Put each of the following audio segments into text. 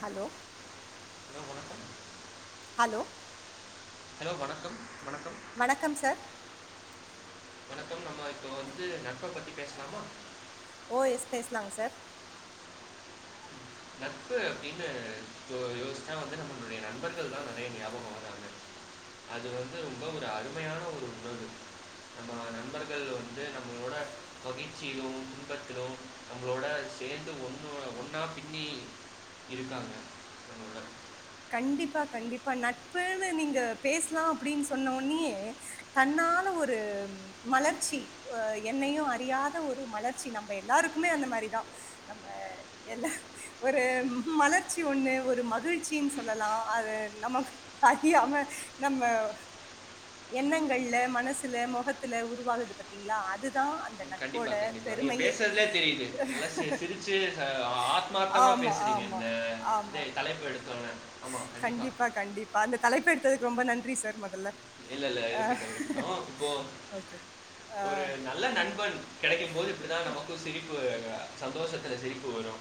Hello hello வணக்கம் hello hello வணக்கம் வணக் வணக்கம் சார் வணக்கம் நம்ம இப்போ வந்து ந ஓ எஸ் பேசலாங் சார் நட்பு அப்படின்னு யோ யோசிசா வந்து நம்மளுடைய நண்பர்கள் தான் நிறைய ஞாபக வராங்க அது வந்து ரொம்ப ஒரு அருமையான ஒரு உணர்வு நம்ம நண்பர்கள் வந்து நம்மளோட மகிழ்ச்சியிலு துன்பத்திலு நம்மளோட சேர்ந்து ஒன்னு ஒன்னா பின்னி இருக்காங்க நம்மளோட கண்டிப்பா கண்டிப்பா நட்புன்னு நீங்க பேசலா அப்படின் சொன்ன உன்னியே தன்னால ஒரு மலர்ச்சி அ என்னையு அறியாத ஒரு மலர்ச்சி நம்ம எல்லாருக்குமே அந்த மாரிதா நம்ம எல்ல ஒரு மலர்ச்சி ஒன்னு ஒரு மகிழ் ச்சி சொல்லலா அது நமக்கு அறியாம நம்ம எண்ணங்கள்ல மனசுல முகத்துல உருவாகுது பத்தீங்களா அது கண்டிப்பா கண்டிப்பா நீங்க பேசுறதுலே தெரியுது நல்லா சிரு சிரிச்சு ஆத்மார்த்தமா ஆமா, பேசுறீங்க ஆமா, இந்த ஆமா. இது தலைப்பு எடுத்த உடனே கண்டிப்பா கண்டிப்பா அந்த தலைப் பு எடுத்ததுக்கு ரொம்ப நன்றி சார் முதல்ல இல்ல இல்ல அ இருக்கட்டு இருக்கட்டு இப்போ ஓகே. அ ஒரு நல்ல நண்பன் கிடைக்கும் போது இப்படிதா நமக்கும் சிரிப்பு வரு சந்தோஷத்தில சிரிப்பு வரு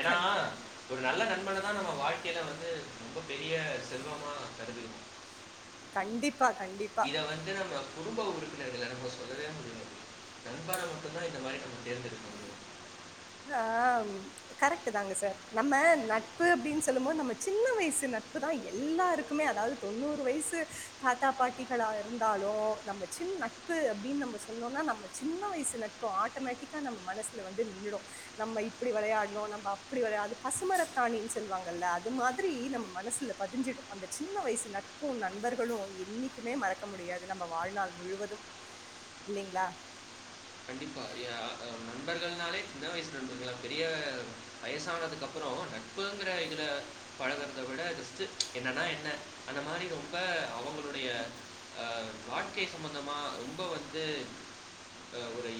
ஏனா கண்டிப்பா, ஒரு நல்ல நண்பனதா நம்ம வாழ்க்கையில வந்து ரொம்ப பெரிய செல்வமா கருதுனும் கண்டிப் இத வந்து நம்ம குடும்ப உறுப் பினர்கள நம்ம சொல்லவே முடியாது நண்பன மட்டும்தா இந்த மாதிரி நம்ம தேர்ந்தெடுக்க முடியு ஆஹ் கரெக்ட் தாங்க சார் நம்ம நட்பு அப்படின் சொல்லும்போது நம்ம சின்ன வயசு நட்புதா எல்லாருக்குமே அதாவது தொண்ணூறு வயசு தாத்தா பாட்டிகளா இருந்தாலு நம்ம சின்ன நட்பு அப்படின்னு நம்ம சொன்னோனா நம்ம சின்ன வயசு நட்பு ஆட்டோமேட்டிக்கா நம்ம மனசுல வந்து நின்னுடு நம்ம இப்படி விளையாட்ணு நம்ம அப்படி விளையாட அது பசுமரத்தாணின் சொல்லுவாங்கல்ல அது மாதிரி நம்ம மனசுல பதிஞ்சிடும் அந்த சின்ன வயசு நட்பு நண்பர்களு என்னைக்குமே மறக்க முடியாது நம்ம வாழ்நாள் முழுவதும் இல்லைங்களா கண்டிப்பா ய அ நண்பர்கள்னாலே சின்ன வயசு நண்பங்களா பெரிய வயசானதுக்கு அப்புறோ நட்புங்கிற இதுல பழக றதவிட ஜஸ்ட் என்னன்னா என்ன அந்த மாரி ரொம்ப அவங்களுடைய அ வாழ்க்கை சம்பந்தமா ரொம்ப வந்து ஒரு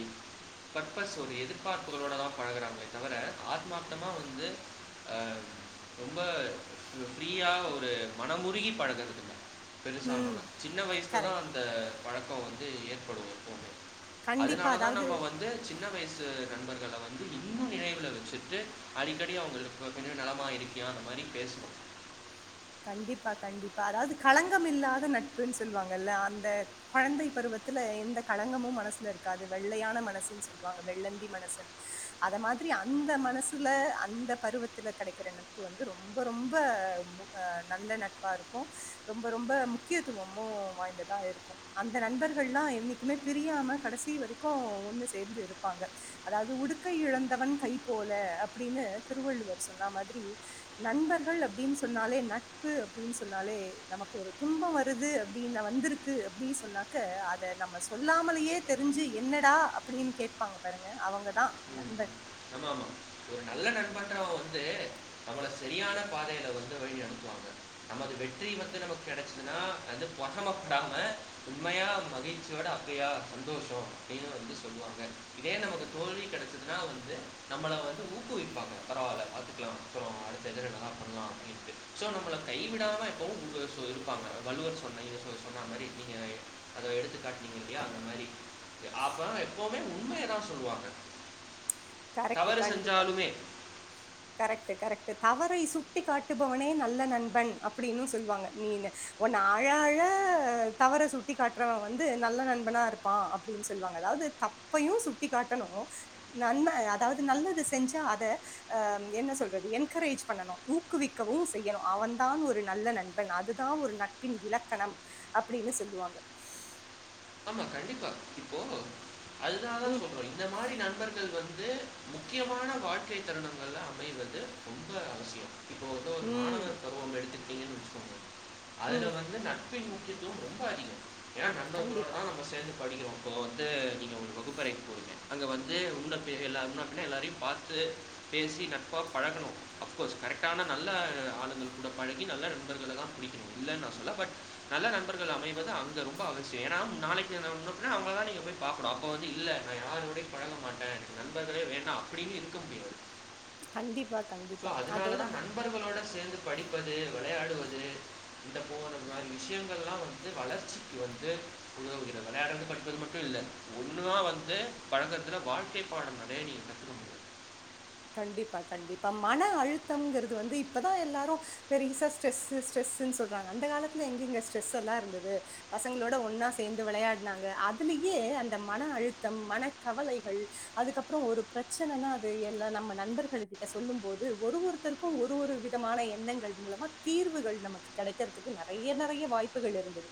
பர்பஸ் ஒரு எதிர்பார்ப்புகளோடு தா பழகுறாங்களே தவிர ஆத்மார்த்தமாக வந்து அ ரொம்ப ஃப்ரீயாக ஒரு மனமுருகி பழகறது இல்ல ம். பெருசானோன சின்ன வயசில தா கரெக்ட். அந்த பழக்க வந் து ஏற்படு எப்போமே கண்டிப்பா. அதனால தா அதாவது நம்ம வந்து சின்ன வயசு நண்பர்கள வந்து இன்னு நினைவில வச்சுட்டு அடிக்கடி அவங்களுக்கு [unintelligible] நலமா இருக்கியா அந்த மாரி பேசனு கண்டிப்பா கண்டிப்பா அதாவது கலங்கம் இல்லாத நட்புன்னு சொல்லுவாங்கல்ல அந்த குழந்தை பருவத்துல எந்த கலங்கமும் மனசுல இருக்காது வெள்ளையான மனசுன்னு சொல்லுவாங்க வெள்ளந்தி மனசுன்னு அத மாதிரி அந்த மனசுல அந்த பருவத்துல கிடைக்கிற நட்பு வந்து ரொம்ப ரொம்ப நல்ல நட்பா இருக்கு ரொம்ப ரொம்ப முக்கியத்துவமு வாய்ந்ததா இருக்கும் அந்த நண்பர்கள்லா என்னைக்குமே பிரியாம கடைசி வரைக்கு ஒன்னு சேர்ந்து இருப்பாங்க அதாவது உடுக்கை இழந்தவன் கை போல அப்படின்னு திருவள்ளுவர் சொன்ன மாதிரி நண்பர்கள் அப்படின்னு சொ சொன்னாலே நட்பு அப்படின் சொன்னாலே நமக்கு ஒரு துன்ப வருது அப்படின் வந்திருக்கு அப்படி சொன்னாக்க அத நம்ம சொல்லாமலேயே தெரிஞ்சு என்னடா அப்படின் கேட்பாங்க பாருங்க அவங்கதா நண்பன் ஆமா ஆமா ஒரு நல்ல நண்பண்றவ வந்து நம்மள சரியான பாதையில வந்து வழி நட த்துவாங்க நமது வெ ற்றி வந்து நமக்கு கிடைச்சதுன்னா வந்து போராமப்படாம உண்மையா மகிழ்ச்சியோட அப்படியா சந்தோஷம் அப்படின்னு வந்து சொல்லுவாங்க இதே நமக்கு தோல்வி கிடைச்சதுனா வந்து நம்மளை வந்து ஊக்குவிப்பாங்க பரவாயில்ல பாத்துக்கலாம் அப்புறம் அடுத்தது நல்லா பன்லா அப்படின்டு சோ நம்மளை கைவிடாம எப்பவும் இருப்பாங்க வள்ளுவர் சொன்ன சொன்ன மாதிரி நீங்க அதை எடுத்துக்காட்ட ங்க இல்லையா அந்த மாதிரி அப்ப எப்பவுமே உண்மையைதான் சொல்லுவாங்க கரெக்ட் தவறு கண்டிப்பா செஞ்சாலுமே கரெக்ட் கரெக்ட் தவறை சுட்டி காட்டுபவனே நல்ல நண்பன் அப்படினு சொல்லுவாங்க நீ ஒன்னு அழ அழ தவறை சுட்டி காட்டுறவன் வந்து நல்ல நண்பனா இருப்பான் அப்படின்னு சொல்லுவாங்க அதாவது தப்பையும் சுட்டிக் காட்டணும் நன்ம அதாவது நல்லது செஞ்சா அதை அஹ் என்ன சொல்றது என்கரேஜ் பண்ணனும் ஊக்குவிக்கவும் செய்யணும் அவன் தான் ஒரு நல்ல நண்பன் அதுதான் ஒரு நட்பின் இலக்கணம் அப்படின்னு சொல்லுவாங்க ஆமா கண்டிப்பா இப்போ அதுனால தான் ம் சொல்றோம் இந்த மாதிரி நண்பர்கள் வந்து வந்து முக்கியமான வாழ்க்கை தருணங்கள்ள அமைவது ரொம்ப அவசியம் இப்போ உம் இருக்கீங்கன்னு வச்சுக்கோங்க அதுல வந்து நட்பின் முக்கியத்தும் ரொம்ப அதிகம் ஏனா கண்டிப்பா படிக்கிறோம் இப்போ வந்து நீங்க ஒரு வகுப்பறைக்கு போறீங்க அங்க வந்து முன்ன பின்ன எல்லாரையும் பார்த்து பேசி நட்பா பழகணும் அஃப்கோர்ஸ் கரெக்டான நல்ல ஆளுங்கள் கூட பழகி நல்ல நண்பர்களை தான் பிடிக்கணும் இல்லைநான் சொல்லல பட் நல்ல நண்பர்கள் அமைவது அங்க ரொம்ப அவசிய ஏணா நாளைக்குமுன்னபின்ன அவங்கள தான் நீங்க போய் பார்க்கனும் அப்ப வந்து இல்ல நான் யாருடையும் பழக மாட்டே எனக்கு நண்பர்களே வேண்டாம் அப்படின்னு இருக்க முடியாது கண்டிப்பா சோ கண்டிப்பா அதோட அதனாலதான் நண்பர்களோட சேர்ந்து படிப்பது விளையாடுவது இந்த போனது மாதிரி விஷயங்கள் எல்லாம் வந்து வளர்ச்சிக்கு வந்து விளையாடறது படிப்பது மட்டும் இல்ல ஒண்ணுதான் வந்து பழக்கத்துல வாழ்க்கை பாடம் நிறைய நீ கத்துக்க முடியு கண்டிப்பா கண்டிப்பா மன அழுத்தம்ங்கிறது வந்து இப்பதா எல்லாரும் பெரிசா ஸ்ட்ரெஸ்ஸு ஸ்ட்ரெஸ்ன்னு சொல்றாங்க அந்த காலத்துல எங்கங்க ஸ்ட்ரெஸ் எல்லாம் இருந்தது பசங்களோட ஒன்னா சேர்ந்து விளையாடினாங்க அதுலயே அந்த மன அழுத்தம் மன கவலைகள் அதுக்கப்புறம் ஒரு பிரச்சனனா அது நம்ம நண்பர்கள்கிட்ட சொல்லும் போது ஒரு ஒருத்தருக்கும் ஒரு ஒரு விதமான எண்ணங்கள் மூலமா தீர்வுகள் நமக்கு கிடைக்கறதுக்கு நிறைய நிறைய வாய்ப்புகள் இருந்தது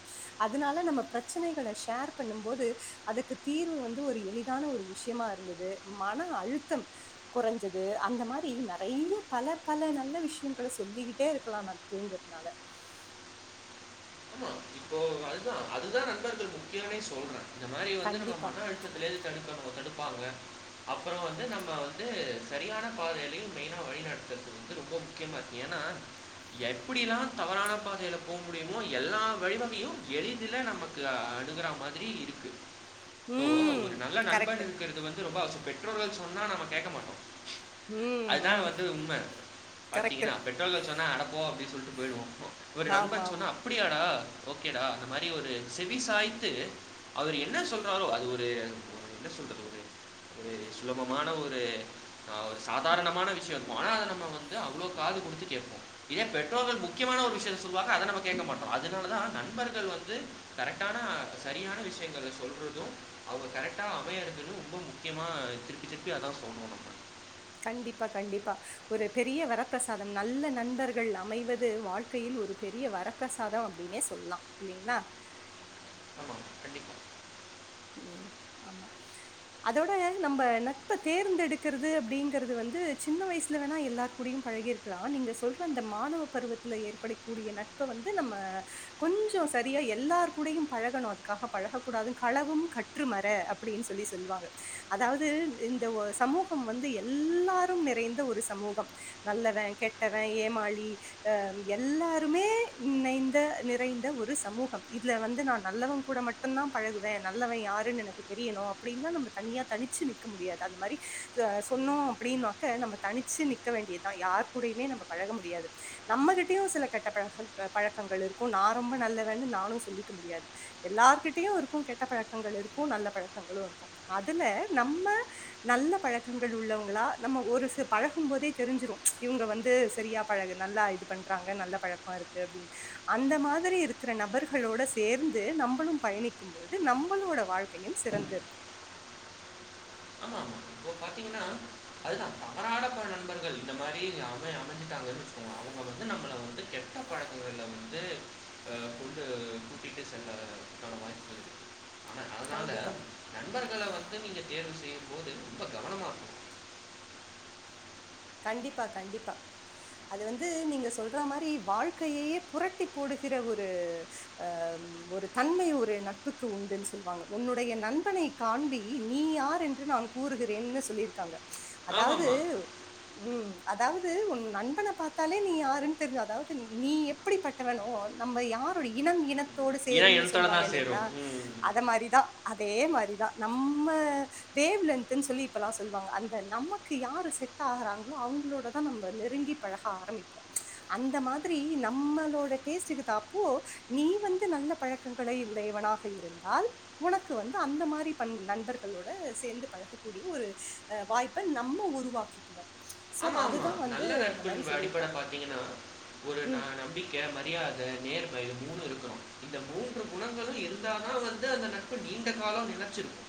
அதனால நம்ம பிரச்சனைகளை ஷேர் பண்ணும் போது அதுக்கு தீர்வு வந்து ஒரு எளிதான ஒரு விஷயமா இருந்தது மன அழுத்தம் குறைஞ்சது அந்த மாதிரி நிறைய பல பல நல்ல விஷயங்கள சொல்லிக்கிட்டே இருக்கலாம் நட்புங்கிறதுனால ஆமா இப்போ அதுதான் அதுதான் நண்பர்கள் முக்கியம்னே சொல்றேன் இந்த மாதிரி வந்து நம்ம கண்டிப்பா. மன அழுத்தத்துல தடுக்கணும் தடுப்பாங்க அப்புறம் வந்து நம்ம வந்து சரியான பாதைலயு மெய்னா வழிநடத்துறது ரொம்ப முக்கியமா இருக்கு ஏன்னா எப்படிலாம் தவறான பாதையில போக முடியும் எல்லா வழிவகையும் எளிதுல நமக்கு அணுகற மாதிரி இருக்கு சோ ம். ஒரு நல்ல நண்பன் கரெக்ட்டு. இருக்கிறது வந்து ரொம்ப அவச பெற்றோர்கள் சொன்னா நம்ம கேட்க மாட்டோம் ம், அதுதான் ம். வந்து உண்மை கரெக்ட்டு. பாத்தீங்கன்னா பெற்றோர்கள் சொன்னா அடப்போ அப்படின்னு சொல்லிட்டு போயிடுவோம் ஒரு நண்பன் ஆமாமா. சொன்னா ஓகேடா ஓகேடா அந்த மாதிரி ஒரு செவி சாய்த்து அவர் என்ன சொல்றாரோ அது ஒரு என்ன சொல்றது ஒரு ஒரு சுலபமான ஒரு ஆ ஒரு சாதாரணமான விஷயம் இருக்கும் ஆனா நம்ம வந்து அவ்வளோ காது கொடுத்து கேட்போ இதே பெற்றோர்கள் முக்கியமான ஒரு விஷயத்தை சொல்வாங்க அதை நம் கேட்க மாட்டோ அதனால தா நண்பர்கள் வந்து கரெக்டான சரியான விஷயங்கள சொல்றது அவங்க கரெக்டா அமையறது ரொம்ப முக்கியமா திருப்பி திருப்பி அதா சொல்லுவோ நம்ம கண்டிப்பா கண்டிப்பா ஒரு பெரிய வரப்பிரசாதம் நல்ல நண்பர்கள் அமைவது வாழ்க்கையில் ஒரு பெரிய வரப்பிரசாதம் அப்டினே சொல்லலாம் இல்லங்களா ஆமா கண்டிப்பா ஆமா அதோட நம்ப நட்ப தேர்ந்தெடுக்கிறது அப்டிங்கிறது வந்து சின்ன வயசுல வேணா எல்லார் கூடயு பழகியிருக்கலா நீங்க சொல்ற அந்த மாணவ பருவத்துல ஏற்படக்கூடிய நட்பை வந்து நம்ம கொஞ்சு சரியா எல்லார் கூடயும் பழகணு அதுக்காக பழக கூடாது களவு களவும் கற்றுமற அப்டின்னு சொல்லி சொல்லுவாங்க அதாவது இந்த சமூகம் வந்து எல்லாரும் நிறைந்த ஒரு சமூகம் நல்லவ கெட்டவ ஏமாளி ஆ எல்லாருமே இணைந்த நிறைந்த ஒரு சமூகம் இதுல வந்து நா நல்லவ கூட மட்டு தா பழகு வா நல்லவ யாருன்னு எனக்கு தெரியணு அப்படின்னா நம்ம தனியா தனிச்சு நிக்க முடியாது அந்த மாரி சொன்னோ அப்படின்னாக்க நம்ம தனிச்சு நிக்க வேண்டியதுதா யாரு கூடயுமே நம்ம பழக முடியாது நம்மகிட்டயு சில கெட்ட பழக்கங் பழக்கங்கள் இருக்கும் நா ரொம்ப நல்லவன்னு நானும் சொல்லிக்க முடியாது எல்லார்கிட்டயு இருக்கு கெட்ட கெட்ட பழக்கங்கள் இருக்கு நல்ல பழக்கங்களு இருக்கு அதுல நம்ம நல்ல பழக்கங்கள் உள்ளவங்களா நம்ம ஒரு சி பழகும் போதே தெரிஞ்சிரு இவங்க வந்து சரியா பழகு நல்லா இது பண்றாங்க நல்ல பழக்கமா இருக்கு அப்டின்னு அந்த மாதிரி இருக்கிற நபர்களோட சேர்ந்து நம்பளு பயணிக்கும்போது நம்மளோட வாழ்க்கையு சிறந்து இருக்கு ஆமா ஆமா இப்போ பாத்தீங்கன்னா அதுதா தவறான போற நண்பர்கள் இந்த மாரி அமை அமைஞ்சுட்டாங்கன்னு வச்சக்கோங்க அவங்க வந்து நம்மள வந்து கெட்ட பழக்கங்களை வந்து ஆ கொண்டு கூட்டிட்டு செல்லவதுகான வாய்ப்புகள் ஆனா அதனால கண்டிப்பா. நண்பர்கள வந்து நீங்க தேர்வு போது ரொம்ப கவனமாக இருக்கணு கண்டிப்பா கண்டிப்பா அது வந்து நீங்க சொல்ற மாரி வாழ்க்கையையே புரட்டி போடுகிற ஒரு ஆ ஒரு தன்மை ஒரு நட்புக்கு உண்டுன்னு சொல்லுவாங்க உன்னுடைய நண்பனை காண்பி நீ யார் என்று நான் கூறுகிறேன்னு சொல்லியிருக்காங்க அதாவது ஆமாமா. உம் அதாவது உன் நண்பனை பாத்தாலே நீ யாருன்னு தெரிஞ்சு அதாவது நீ எப்படி பட்டவனோ நம்ம யாரோட இனம் இன த்தோடு ஏன்னா சேரும்னு இனத்தோட சொல்லுவாங்க தான் இல்லங்களா சேரும். ம். அத மாரிதா அதே மாரிதா நம்ம வேவ்லென்த்ன்னு சொல்லி இப்பல்லாம் சொல்லுவாங்க அந்த நமக்கு யாரு செட் ஆராங்களோ அவங்களோட தா நம்ம நெருங்கி பழக ஆரம்பிப்போ அந்த மாதிரி நம்மளோட டேஸ்டுக்கு தா அப்போ நீ வந்து நல்ல பழக்கங்களை உடையவனாக இருந்தால் உனக்கு வந்து அந்த மாரி நண்பர்களோட சேர்ந்து பழகக்கூடிய ஒரு வாய்ப்பை நம்ம உருவாக்கி [unintelligible] ஆமா ஆமா நல்ல மாரி நட்பு அடிப்படை சொல்லியிருக்காங்க பாத்தீங்கன்னா ஒரு நா ம் நம்பிக்கை மரியாதை நேர் இது மூணு இருக்கணு இந்த மூன்று குணங்களு இருந்தா வந்து அந்த நட்பு நீண்ட காலம் நிலச்சிருக்கு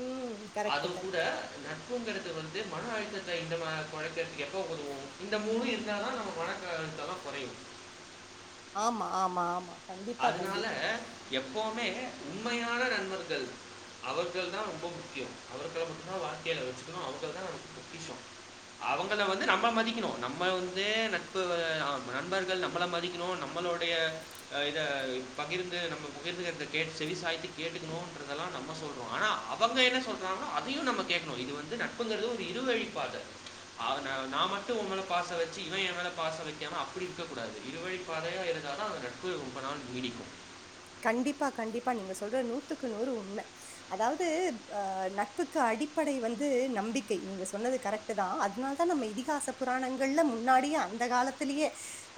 ம் கரெக்ட் அது கூட கரெக்ட் நட்புங்கர வந்து மன அழுத்தத்த இந்த பழக்கத்துக்கு எப்ப வருவோ இந்த மூணு இருந்தாதா நம்ம மனக்கவலலா குறையு ஆமா ஆமா ஆமா கண்டிப்பா அதனால கண்டிப்பா எப்பவுமே உண்மையான நண்பர்கள் அவர்கள் தா ரொம்ப முக்கியோ அவர்களை மட்டும்தா வாழ்கையில வச்சுக்கணும் அவர்கள் தான் நமக்கு பொக்கியஷம் அவங்கள வந்து நம்ம மதிக்கணு நம்ம வந்து நட்பு ஆ நண்பர்கள் நம்மள மதிக்கணு நம்மளுடைய இத பகிர்ந்து நம்ம பகிர்ந்துக்கிறத கேட்டு செவி சாய்த்து கேட்டுக்கணுன்றதெல்லா நம்ம சொல்கிறோ ஆனா அவங்க என்ன சொல்றாங்களோ அதையு நம்ம கேட்கணு இது வந்து ந நட்புங்குரது ஒரு இருவழி பாத நா மட்டு உ மேல பாச வச்சு இவ எ மேல பாச வைக்காம அப்படி இருக்க கூடாது இருவழி பாதையா இருந்தா அது நட்பு நட்பு ரொம்ப நாள் நீடிக்கு கண்டிப்பா கண்டிப்பா நீங்க சொல்ற நூத்துக்கு நூறு உண்ம அதாவது ஆ நட்புக்கு அடிப்படை வந்து நம்பிக்கை நீங்க சொன்னது கரெக்ட் தா அதனால தா நம்ம இதிகாச புராணங்கள்ல முன்னாடியே அந்த காலத்திலேயே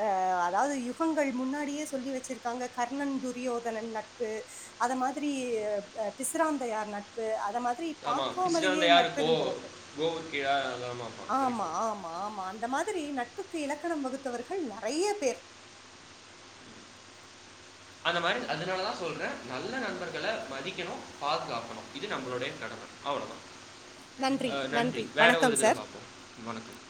ஆ அதாவது யுகங்கள் முன்னாடியே சொல்லி வச்சிருக்காங்க கர்ணன் து துரியோதனன் நட்பு அத மாதிரி பிசிராந்தையார் நட்பு அத மா ஆமா பிசிராந்தையார் கோவ வரு ஆமா, ஆமா, ஆமா. அந்த மாதிரி நட்புக்கு இலக்கணம் வகுத்தவர்கள் நெறய பேர் அந்த மாரி அதனாலதா சொல்றே நல்ல நண்பர்கள மதிக்கணு பாதுகாக்கணு இது நம்மளுடைய கடம அவ்ளதா நன்றி, ஆ நன்றி வேற ஒரு வணக்கம் இதுல சார். பாப்போ வணக்கம்